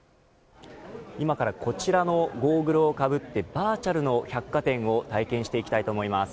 今からこちらのゴーグルをかぶってバーチャルの百貨店を体験していきたいと思います。